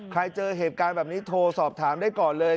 เจอเหตุการณ์แบบนี้โทรสอบถามได้ก่อนเลย